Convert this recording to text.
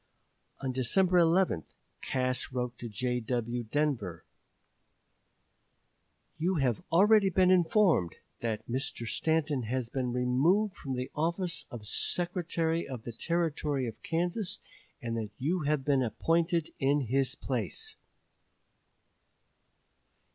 On December 11 Cass wrote to J.W. Denver, Esq.: "You have already been informed that Mr. Stanton has been removed from the office of Secretary of the Territory of Kansas and that you have been appointed in his place."